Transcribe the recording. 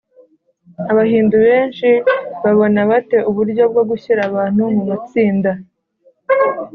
abahindu benshi babona bate uburyo bwo gushyira abantu mu matsinda ?